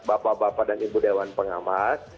bapak bapak dan ibu dewan pengawas